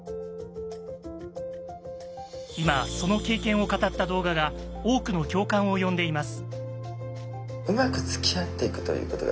今その経験を語った動画が多くの共感を呼んでいます。